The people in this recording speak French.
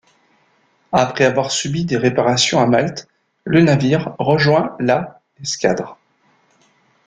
Après avoir subi des réparations à Malte, le navire rejoint la escadre.